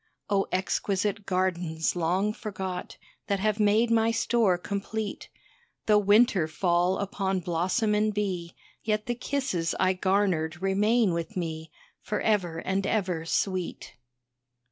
Oh, exquisite gardens long forgot That have made my store complete, Though winter fall upon blossom and bee, Yet the kisses I garnered remain with me Forever and ever sweet.